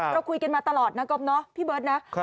เราคุยกันมาตลอดนะก๊อฟเนาะพี่เบิร์ตนะ